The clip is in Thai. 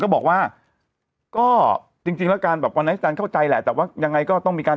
ก็บอกว่าก็จริงจริงแล้วการแบบวันนั้นเข้าใจแหละแต่ว่ายังไงก็ต้องมีการ